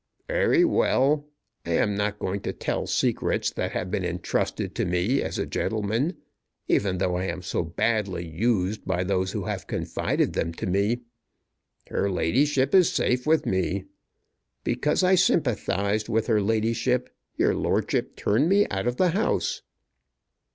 "Very well. I am not going to tell secrets that have been intrusted to me as a gentleman, even though I am so badly used by those who have confided them to me. Her ladyship is safe with me. Because I sympathized with her ladyship your lordship turned me out of the house."